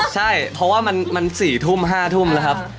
ใช่เพราะว่ามัน๔ทุ่ม๕ทุ่มแล้วครับ